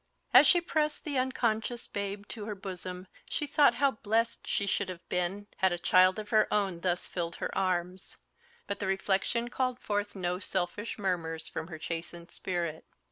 As she pressed the unconscious babe to her bosom she thought how blest she should have been had a child of her own thus filled her arms; but the reflection called forth no selfish murmurs from her chastened spirit.